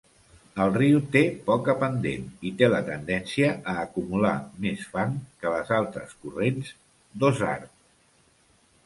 El riu té poca pendent i té la tendència a acumular més fang que les altres corrents d"Ozark.